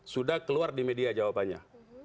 sudah keluar di media jawabannya